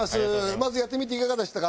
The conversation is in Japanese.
まずやってみていかがでしたか？